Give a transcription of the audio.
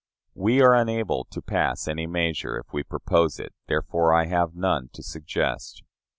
We are unable to pass any measure, if we propose it; therefore I have none to suggest.